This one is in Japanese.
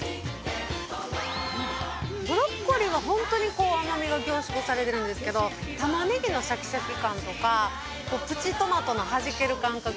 ブロッコリーはほんとにこう甘みが凝縮されてるんですけど玉ネギのシャキシャキ感とかプチトマトのはじける感覚